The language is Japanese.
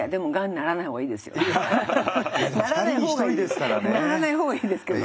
ならないほうがいいですけどね。